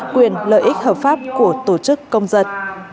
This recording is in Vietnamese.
quyền lợi ích hợp pháp của tổ chức công dân